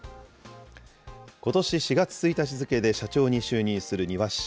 ことし４月１日付で社長に就任する丹羽氏。